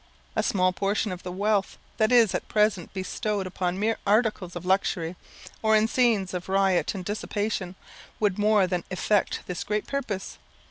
A small portion of the wealth that is at present bestowed upon mere articles of luxury, or in scenes of riot and dissipation, would more than effect this great purpose.